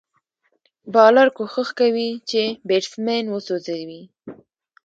بالر کوښښ کوي، چي بېټسمېن وسوځوي.